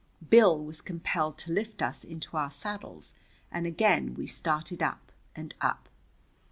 Bill was compelled to lift us into our saddles, and again we started up and up.